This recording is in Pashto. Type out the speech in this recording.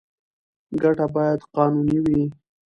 ګټه باید قانوني وي.